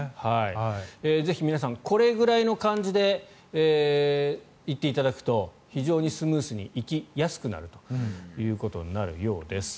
ぜひ皆さんこれぐらいの感じで行っていただくと非常にスムーズに行きやすくなるということになるようです。